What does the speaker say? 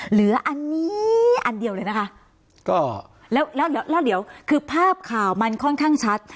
เหลืออันนี้อันเดียวเลยนะคะก็แล้วแล้วเดี๋ยวคือภาพข่าวมันค่อนข้างชัด